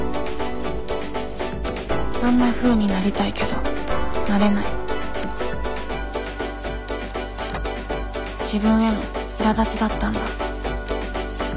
あんなふうになりたいけどなれない自分へのいらだちだったんだ。